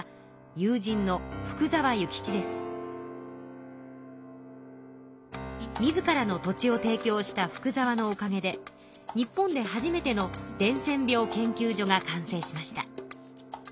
友人の自らの土地を提供した福沢のおかげで日本で初めての伝染病研究所が完成しました。